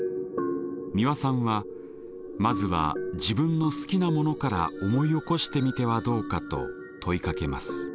美輪さんはまずは自分の好きなものから思い起こしてみてはどうかと問いかけます。